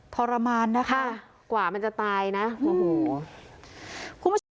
ทรมานนะคะกว่ามันจะตายนะโอ้โห